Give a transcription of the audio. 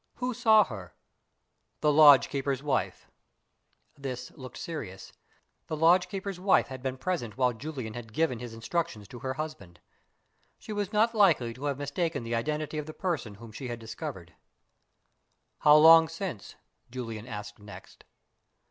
"Who saw her?" "The lodge keeper's wife." This looked serious. The lodge keeper's wife had been present while Julian had given his instructions to her husband. She was not likely to have mistaken the identity of the person whom she had discovered. "How long since?" Julian asked next.